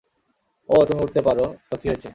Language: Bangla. ওহ, তুমি উড়তে পারো তো কী হয়েছে।